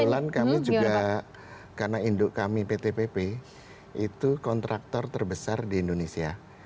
kebetulan kami juga karena induk kami pt pp itu kontraktor terbesar di indonesia